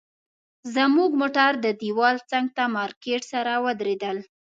زموږ موټر د دیوال څنګ ته مارکیټ سره ودرېدل.